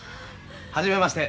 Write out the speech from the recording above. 初めまして。